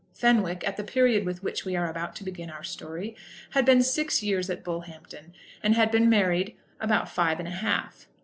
Fenwick, at the period with which we are about to begin our story, had been six years at Bullhampton, and had been married about five and a half.